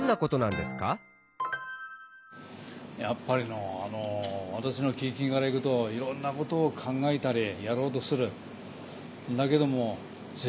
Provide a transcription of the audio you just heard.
やっぱりのわたしのけいけんからいくといろんなことを考えたりやろうとする。